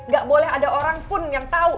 gak boleh ada orang pun yang tahu